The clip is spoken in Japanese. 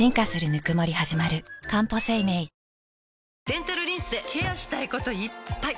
デンタルリンスでケアしたいこといっぱい！